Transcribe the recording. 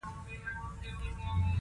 ګیلاس له سکوت سره خبرې کوي.